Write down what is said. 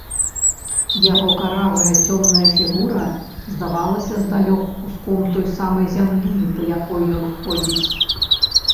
Яго каравая, цёмная фігура здавалася здалёк куском той самай зямлі, па якой ён ходзіць.